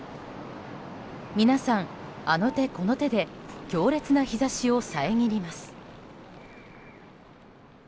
皆さん、あの手この手で強烈な日差しを遮ります。